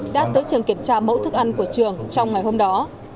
đã tới trường kiểm tra mẫu thức ăn của trường trong ngày hôm đó